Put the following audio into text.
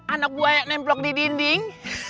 anak buaya nembrok di dinding